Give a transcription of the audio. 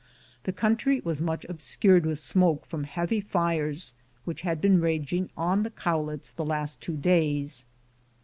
The country was much obscured with smoke from heavy fires which had been raging on the Cowlitz the last two days.